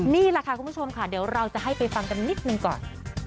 นี่แหละค่ะคุณผู้ชมค่ะเดี๋ยวเราจะให้ไปฟังกันนิดนึงก่อน